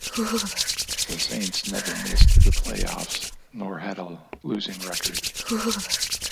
The Saints never missed the playoffs nor had a losing record.